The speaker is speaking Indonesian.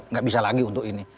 nggak bisa lagi untuk ini